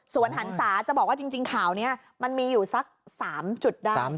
ส่วนหันศาจะบอกว่าจริงข่าวนี้มันมีอยู่สัก๓จุดได้